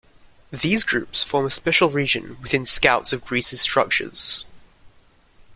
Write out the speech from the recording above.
These groups form a special region within Scouts of Greece's structures.